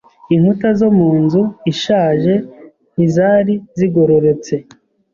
Inkuta zo mu nzu ishaje ntizari zigororotse.